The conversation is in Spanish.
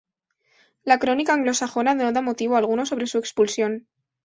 La Crónica anglosajona no da motivo alguno sobre su expulsión.